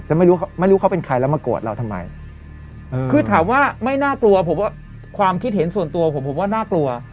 ไม่รู้ไม่รู้เขาเป็นใครแล้วมาโกรธเราทำไมคือถามว่าไม่น่ากลัวผมว่าความคิดเห็นส่วนตัวผมผมว่าน่ากลัว